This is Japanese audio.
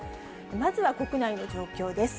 まずは国内の状況です。